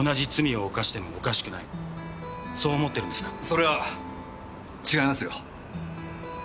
それは違いますよ。